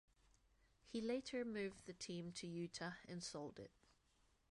He later moved the team to Utah and sold it.